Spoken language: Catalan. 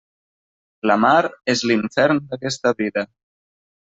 La mar és l'infern d'aquesta vida.